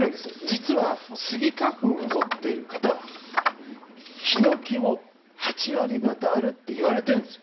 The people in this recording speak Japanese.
実はスギ花粉を持っている方はヒノキが８割がたあるといわれているんです。